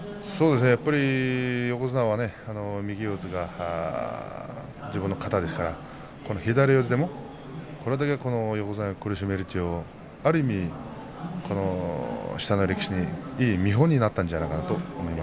やっぱり横綱は右四つが自分の型ですからこの左四つでも、これだけ横綱を苦しめるというのはある意味、下の力士にいい見本になったんじゃないか